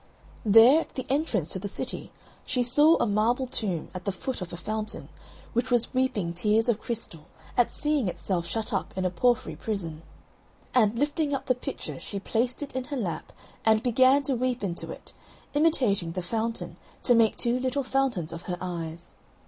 There, at the entrance to the city, she saw a marble tomb, at the foot of a fountain, which was weeping tears of crystal at seeing itself shut up in a porphyry prison. And, lifting up the pitcher, she placed it in her lap and began to weep into it, imitating the fountain to make two little fountains of her eyes.